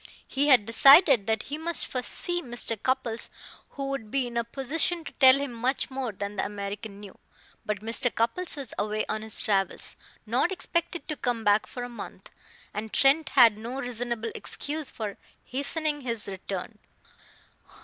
He had decided that he must first see Mr. Cupples, who would be in a position to tell him much more than the American knew. But Mr. Cupples was away on his travels, not expected to come back for a month; and Trent had no reasonable excuse for hastening his return.